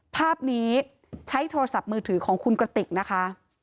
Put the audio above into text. ภาพนี้ใช้โทรศัพท์มือถือของคุณกระติกนะคะ